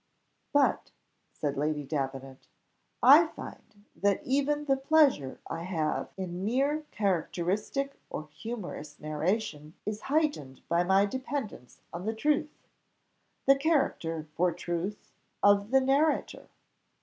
"But," said Lady Davenant, "I find that even the pleasure I have in mere characteristic or humorous narration is heightened by my dependence on the truth the character for truth of the narrator."